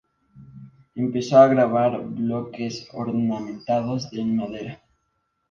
Empezó a grabar bloques ornamentados en madera.